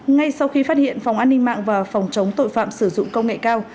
ngay sau khi phát hiện phòng an ninh mạng và phòng chống tội phạm sử dụng công nghệ cao